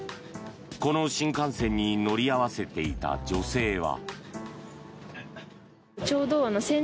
この新幹線に乗り合わせていた女性は。